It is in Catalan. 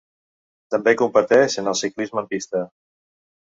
També competeix en el ciclisme en pista.